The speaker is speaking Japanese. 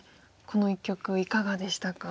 この一局いかがでしたか？